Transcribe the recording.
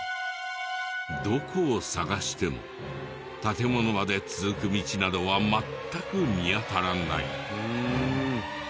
どこを探しても建物まで続く道などは全く見当たらない。